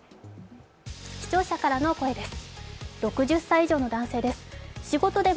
視聴者からの声です。